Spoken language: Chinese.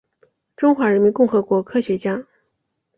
中华人民共和国科学家。